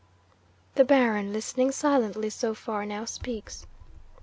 'The Baron, listening silently so far, now speaks.